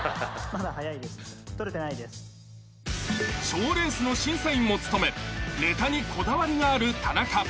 ［賞レースの審査員も務めネタにこだわりがある田中］